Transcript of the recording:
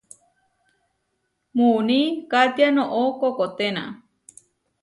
Muuní katiá noʼó koʼkoténa.